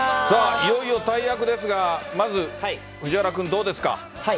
いよいよ大役ですが、まず、藤原君、どうですか。